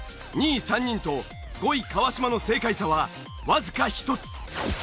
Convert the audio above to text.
２位３人と５位川島の正解差はわずか１つ。